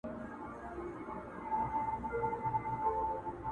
پر اوږو یې ټکاوه ورته ګویا سو!!